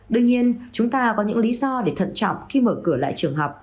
đương nhiên chúng ta có những lý do để thận trọng khi mở cửa lại trường học